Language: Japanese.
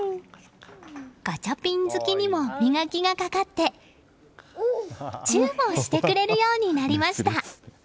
ガチャピン好きにも磨きがかかってチューもしてくれるようになりました。